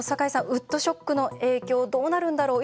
ウッドショックの影響どうなるんだろう